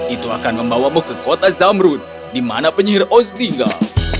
itu akan membawamu ke kota zamrun di mana penyihir oce tinggal